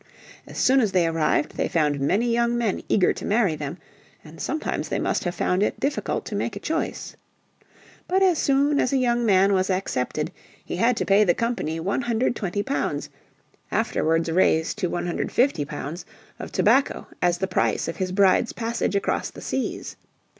As soon as they arrived they found many young men eager to marry them, and sometimes they must have found it difficult to make a choice. But as soon as a young man was accepted he had to pay the Company 120 Ibs., afterwards raised to 150 Ibs., of tobacco as the price of his bride's passage across the seas.